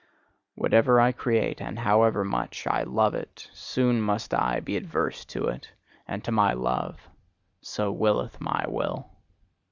Whatever I create, and however much I love it, soon must I be adverse to it, and to my love: so willeth my will.